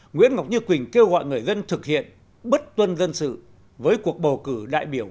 nguyễn ngọc như quỳnh kêu gọi người dân thực hiện bất tuân dân sự với cuộc bầu cử đại biểu